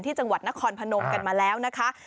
จังหวัดนครพนมกันมาแล้วนะคะ